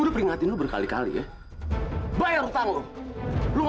tapi kadang kadang rebecca minta saya pada sebenarnya bisa saya